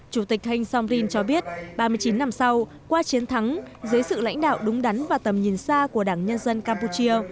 chủ tịch hinh saorin cho biết ba mươi chín năm sau qua chiến thắng dưới sự lãnh đạo đúng đắn và tầm nhìn xa của đảng nhân dân campuchia